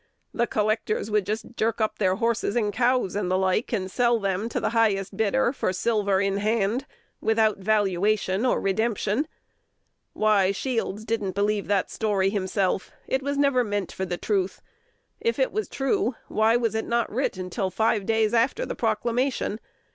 The collectors would just jerk up their horses and cows, and the like, and sell them to the highest bidder for silver in hand, without valuation or redemption. Why, Shields didn't believe that story himself: it was never meant for the truth. If it was true, why was it not writ till five days after the proclamation?